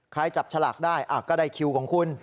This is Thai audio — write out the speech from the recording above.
จับฉลากได้ก็ได้คิวของคุณ